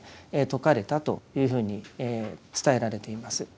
説かれたというふうに伝えられています。